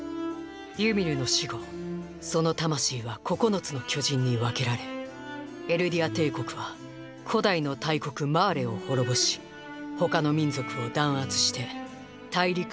ユミルの死後その魂は「九つの巨人」に分けられエルディア帝国は古代の大国マーレを滅ぼし他の民族を弾圧して大陸を支配してきました。